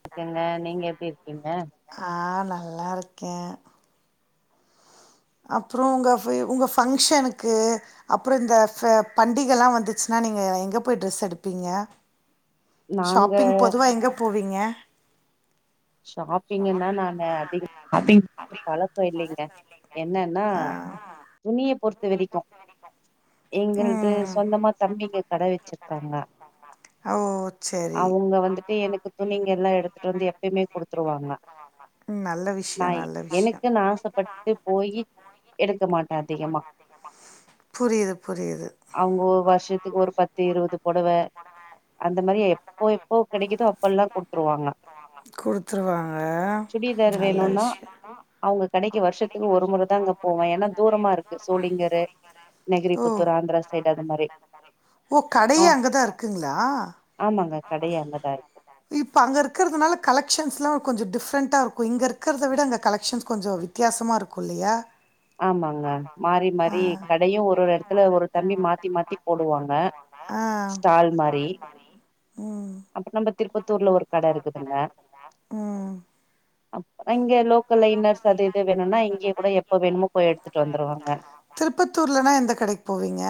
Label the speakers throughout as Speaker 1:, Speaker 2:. Speaker 1: இருக்கங்க நீங்க எப்படி இருக்கீங்க.
Speaker 2: ஆ நல்லா இருக்கேன். அப்புறம் உங்க உங்க ஃபங்க்ஷனுக்கு அப்புறம் இந்த பண்டிகயெல்லாம் வந்துச்சுன்னா நீங்க எங்க போய் ட்ரெஸ் எடுப்பீங்க.
Speaker 1: நாங்க
Speaker 2: ஷாப்பிங் பொதுவா எங்க போவிங். ங்க.
Speaker 1: ஷாப்பிங்கன்னா நான் அதிக அதிக பழக்கம் இல்லைங்க. என்னன்னா
Speaker 2: ஆ
Speaker 1: துணி. விதிக்கும் எங்கது
Speaker 2: ம்
Speaker 1: சொந்தமா தம்பிங்க கட வச்சிருக்காங்க.
Speaker 2: ஓ சரி
Speaker 1: அவங்க வந்துட்டு எனக்கு துணிங்க எல்லாம் எடுத்துட்டு வந்து. எப்பியுமே கொடுத்துருவாங்க.
Speaker 2: ம் நல்ல விஷயோ
Speaker 1: நான்
Speaker 2: நல்ல விஷயோ.
Speaker 1: எனக்கு ஆசைப்பட்டு போய் எடுக்க மாட்டேன் அதிகமா.
Speaker 2: புரியுது புரியுது
Speaker 1: அவங்க வருஷத்துக்கு ஒரு பத்து இருபது புடவ அந்த மாதிரி எப்போ எப்போ கிடைக்குதோ அப்பெல்லாம் கொடுத்துருவாங்க.
Speaker 2: குடுத்துருவாங்க
Speaker 1: சுடிதார்
Speaker 2: நல்ல
Speaker 1: வேணும்னா
Speaker 2: விஷயோ.
Speaker 1: அவங்க கடைக்கு வருஷத்துக்கு ஒரு முறை தான் அங்க போவன் ஏன்னா தூரமா இருக்கு. சோழிங்கரு
Speaker 2: ஓ
Speaker 1: நகரிபுத்தூர் ஆந்திரா சைடு அது மாதிரி.
Speaker 2: ஓ
Speaker 1: ஆ
Speaker 2: கடையே அங்கதா இருக்குங்களா?
Speaker 1: ஆமாங்க கடையே அங்கதான் இருக்கு.
Speaker 2: கலெக்ஷன்ஸ் எலாம் கொஞ்சம் டிஃப்ரண்டா இருக்கும் இங்க இருக்கிறத விட அங்க கலெக்ஷன் கொஞ்சம் வித்தாசமா இருக்கும் இல்லையா.
Speaker 1: ஆமாங்க மாறி மாறி கடையும் ஒரு ஒரு இடத்துல ஒரு தம்பி மாத்தி மாத்தி போடுவாங்க.
Speaker 2: ஆ
Speaker 1: ஸ்டால் மாரி
Speaker 2: ம்
Speaker 1: அப்புறம் நம்ம திருப்பத்தூருல்ல ஒரு கடை இருக்குதுங்க
Speaker 2: ம்
Speaker 1: அப். ஆனா இங்க லோக்கல்ல இன்னர்ஸ் அது எது வேணும்னா இங்க கூட. எப்ப வேணுமோ போய் எடுத்துட்டு வந்துருவாங்க
Speaker 2: திருப்பத்தூர்லனா எந்த கடைக்கு போவீங்க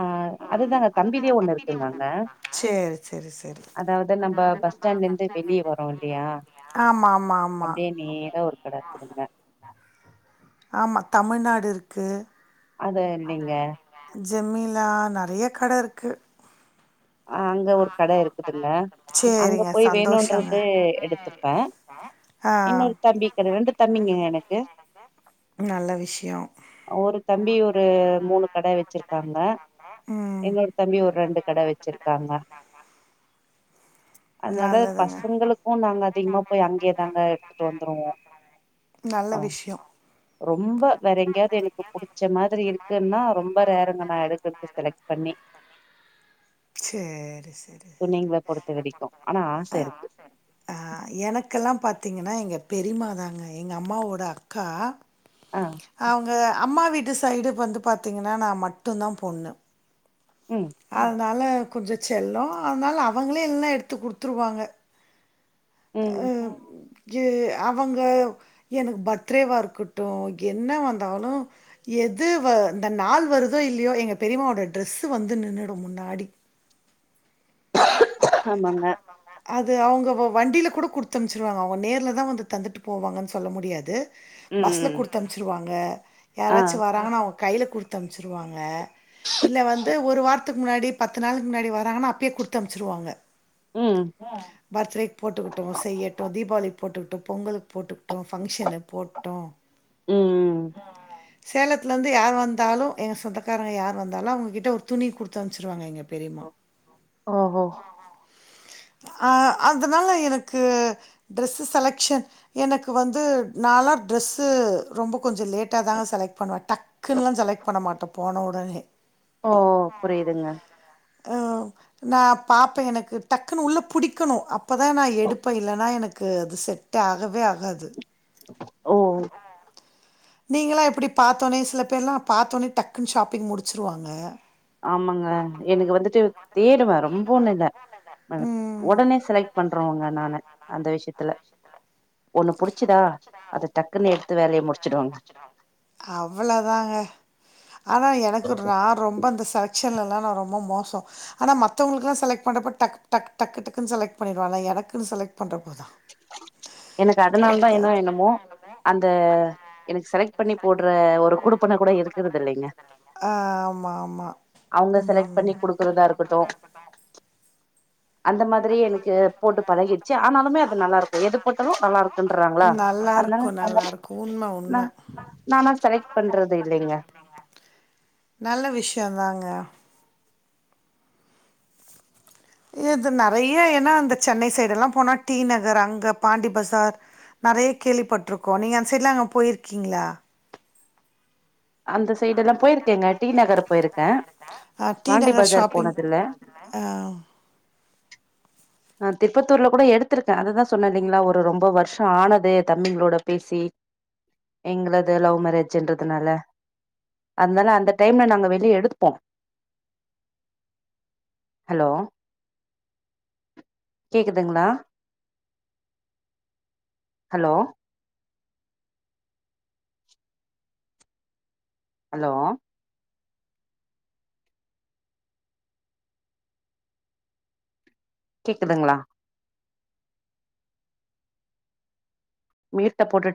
Speaker 1: அஹ் அதுதாங்க தம்பில ஒண்ணு வச்சிருந்தாங்க
Speaker 2: சேரி சேரி சேரி
Speaker 1: அதாவது நம்ம பஸ் ஸ்டாண்ட்ல இருந்து வெளிய வரோம் இல்லையா
Speaker 2: ஆமா ஆமா ஆமா
Speaker 1: அப்டியே நேரா ஒரு கட இருக்குதுங்க
Speaker 2: ஆமா தமிழ்நாட்டு இருக்கு
Speaker 1: அத இல்லைங்க
Speaker 2: ஜெம்மிலா நெறைய கடை இருக்கு
Speaker 1: அ அங்க ஒரு கடை இருக்குதுல்ல அங்க
Speaker 2: சேரிங்க
Speaker 1: போய்
Speaker 2: சந்தோஷங்க
Speaker 1: வேணும்ன்றது எடுத்துப்பே
Speaker 2: ஆ
Speaker 1: இன்னொரு தம்பி கடை ரெண்டு தம்பிங்க எனக்கு
Speaker 2: நல்ல விஷயோ
Speaker 1: ஒரு தம்பி ஒரு மூணு கட வச்சிருக்க காங்க
Speaker 2: ம்
Speaker 1: என்னோட தம்பி ஒரு ரெண்டு கடை வச்சு இருக்காங்க அதனால
Speaker 2: நல்லதுங்க
Speaker 1: பசங்களுக்கு நாங்க அதிகமா போய் அங்கேயேதாங்க எடுத்துட்டு வந்துருவோம்
Speaker 2: நல்ல
Speaker 1: ஆ
Speaker 2: விஷயோ
Speaker 1: ரொம்ப வேற எங்கேயாவது எனக்கு புடிச்ச மாதிரி இருக்குன்னா ரொம்ப ரெர் நா எடுக்க எடுத்து செலக்ட் பண்ணி
Speaker 2: சேரி சேரி
Speaker 1: துணிங்கள பொறுத்த வரைக்கு ஆனா ஆச இருக்கு
Speaker 2: ஆ எனக்கெல்லா பாத் பாத்தீங்கன்னா எங்க பெரிமாதாங்க எங்க அம்மாவோட அக்கா
Speaker 1: ஆ
Speaker 2: அவங்க அம்மா வீட்டு சைடு வந்து பாத்தீங்கன்னா நா மட்டும் தா பொண்ணு
Speaker 1: ம்
Speaker 2: ஆ அதனால கொஞ்ச செல்லம் அதனால அவங்களே எல்லா எடுத்து த்து குடுத்துருவாங்க
Speaker 1: ம்
Speaker 2: ஆ இ அவங்க எனக்கு பர்த்டேவா இருக்கட்டும் என்ன வந்தாலும் எது வ இந்த நாள் வருதோ இல்லையோ எங்கள் பெரிமாவோட ட்ரெஸ் வந்து நின்னுடும் முன்னாடி
Speaker 1: ஆமாங்க
Speaker 2: அது அவங்க வண்டியில கூட குடுத்து அம்ச்சிருவாங்க அவங்க நேர்ல்லதா வந்து தந்துட்டு போவாங்கன்னு சொல்ல முடியாது
Speaker 1: ம்
Speaker 2: பஸ்ல
Speaker 1: ம்
Speaker 2: குடுத்து அம்ச்சிருவாங்க ங்க
Speaker 1: ஆ
Speaker 2: யாராச்சு வராாங்கனா கையில குடுத்து அம்ச்சிருவாங்க இல்ல வந்து ஒரு வாரத்துக்கு முன்னாடி பத்து நாளுக்கு முன்னாடி வராங்கன்னா அப்பயே குடுத்து தமிச்சுருவாங்க
Speaker 1: ம்
Speaker 2: பர்த்டே போட்டுக்விட்ருவோ செய்யட்டும் தீபாவளி போட்டுக்கிட்டு பொங்கலுக்கு போட்டுக்கிட்டு பங்க்ஷன் போட்டோம்
Speaker 1: ம்
Speaker 2: சேலத்துலருந்து யார் வந்தாலு எங்க சொந்தக்காரங்க யார் வந்தாலு அவங்ககிட்ட ஒரு துணி குடுத்து அம்ச்சிருவாங்க எங்க பெரிமா
Speaker 1: ம். ஓஹோ
Speaker 2: ஆ அதனால எனக்கு ட்ரெஸ் செலக்க்ஷன் எனக்கு வந்து நாலா ட்ரெஸ்ஸு ரொம்ப கொஞ்ச லேட்டா தா செலக்ட் பண்ணுவே டக்குன்னுலா செலக்ட் பண்ண மாட்டே போன உடனே
Speaker 1: ஓ புரியுதுங்க
Speaker 2: ஆ நா பாப்பே எனக்கு டக்குனு உள்ளே புடிக்கணு அப்போத நா எடுப்பே இல்லேனா எனக்கு அது செட் ஆகவே ஆகாது
Speaker 1: ஓ
Speaker 2: நீங்கலா எப்புடி பாத்தோனே சில பேர்லா பாத்தோனே டக்குன்னு ஷாப்பிங் முடிச்சிருவாங்க
Speaker 1: ஆமாங்க எனக்கு வந்துட்டு தேடுவே ரொம்ப ஒன்னு இல்லே
Speaker 2: ம்
Speaker 1: உடனே செலக்ட் பண்றவங்க நானு அந்த விஷயத்துல ஒன்னு முடிச்சுடுவாங்க
Speaker 2: அவ்ளோதாங்க ஆனா எனக்கு நா ரொம்ப அந்த செலக் சன்ல லா நா ரொம்ப மோசோ ஆனா மத்தவுங்களுக்கெல்லா செலக்ட் பண்றப டக் டக் டக் டக்குனு செலக்ட் பண்ணிறுவே ஆனா எனக்குன்னு செலக்ட் பண்ற
Speaker 1: எனக்கு அதனால என்ன என்ன
Speaker 2: கிடைக்காது.
Speaker 1: என்னமோ அந்த எனக்கு செலக்ட் பண்ணி போடுற ஒரு குடுபன கூட இருக்குறது இல்லேங்க
Speaker 2: ஆமாமா.
Speaker 1: அவங்க செலக்ட்
Speaker 2: ம்
Speaker 1: பண்ணி குடுக்கறதா இருக்கட்டு அந்த மாதிரியே எனக்கு போட்டு பழகிடுச்சு ஆனாலுமே ந து ல்லா இருக்கு எது போட்டாலு நல்லா இருக்குன்றங்ளா அதுனாலே
Speaker 2: நல்லாருக்கும் நல்லாருக்கும். உண்ம
Speaker 1: நா
Speaker 2: உண்ம.
Speaker 1: நாளா செலக்ட் பண்றது இல்லைங்க
Speaker 2: நல்ல விஷயம் தாங்க. இது நெறைய ஏன்னா இந்த சென்னை சைடுல்லா போனா டி நகர் அங்க பாண்டி பசார் நெறைய கேள்விப்பட்டிருக்கோ நீங்க அந்த சைட்ல அங்க போயிருக்கீங்களா
Speaker 1: அந்த சைடுல்லா போயிருக்கேங்க டி நகர் போயிருக்கே
Speaker 2: ஆ டி
Speaker 1: பாண்டி
Speaker 2: நகர்
Speaker 1: பஜார்
Speaker 2: ஷாப்பிங்
Speaker 1: போனது இல்லே
Speaker 2: ஆ
Speaker 1: நா திருப்பத்தூர்ல கூட எடுத்திருக்கே அததா சொன்னே இல்லேங்ளா ஒரு ரொம்ப வருஷ ஆனது தம்பிங்களோட பேசி எங்களது லவ் மேரேஜ்ன்றதுனால அதனால அந்த டைம்ல நாங்க வெளியே எடுத்துப்போ ஹலோ கேக்குதுங்ளா ஹலோ ஹலோ கேக்குதுங்ளா உயர்த்த போட்டுட்டு